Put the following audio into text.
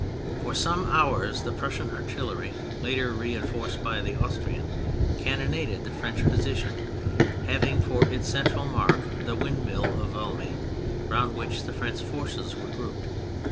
For some hours the Prussian artillery, later reinforced by the Austrian, cannonaded the French position, having for its central mark the windmill oJE Valmy, round which the French forces were grouped.